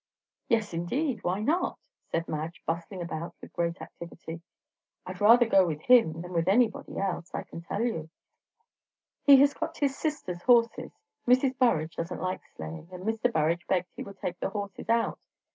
"Yes indeed, why not?" said Madge, bustling about with great activity. "I'd rather go with him than with anybody else, I can tell you. He has got his sister's horses Mrs. Burrage don't like sleighing and Mr. Burrage begged he would take the horses out.